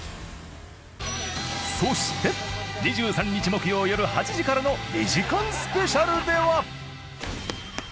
そして２３日木曜よる８時からの２時間スペシャルでは。